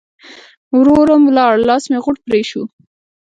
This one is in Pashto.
ورور م ولاړ؛ لاس مې غوټ پرې شو.